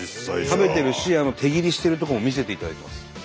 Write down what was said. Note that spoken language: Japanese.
食べてるし手切りしてるとこも見せていただいてます。